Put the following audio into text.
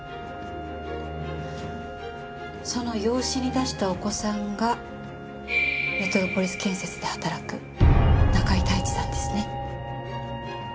その養子に出したお子さんがメトロポリス建設で働く中井太一さんですね？